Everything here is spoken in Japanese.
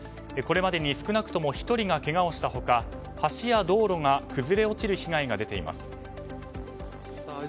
これまでに少なくとも１人がけがをした他橋や道路が崩れ落ちる被害が出ています。